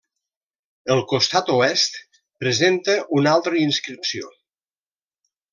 El costat oest presenta una altra inscripció.